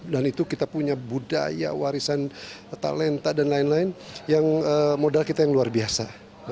dan itu kita punya budaya warisan talenta dan lain lain yang modal kita yang luar biasa